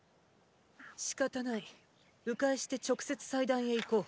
仕方ない迂回して直接祭壇へ行こう。